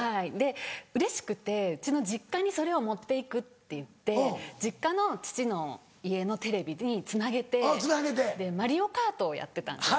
うれしくてうちの実家にそれを持って行くって言って実家の父の家のテレビにつなげて『マリオカート』をやってたんです。